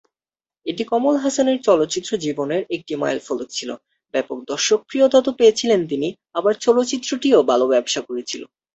এটি কমল হাসানের চলচ্চিত্র জীবনের একটি মাইলফলক ছিলো, ব্যাপক দর্শকপ্রিয়তা তো পেয়েছিলেন তিনি আবার চলচ্চিত্রটিও ভালো ব্যবসা করেছিলো।